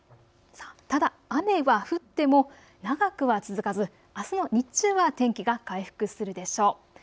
ただ雨は降っても長くは続かず、あすの日中は天気が回復するでしょう。